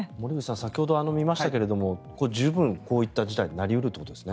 先ほどもありましたが十分こういった事態になり得るということですね。